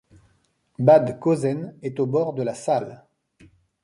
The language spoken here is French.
Bad Kösen est au bord de la Saale.